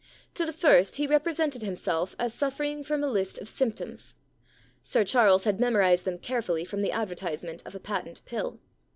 To the first he represented himself as suffering from a list of symptoms. Sir Charles had memorised them carefully from the advertise ment of a patent pill.